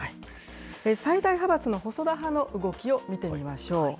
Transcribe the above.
最大派閥の細田派の動きを見てみましょう。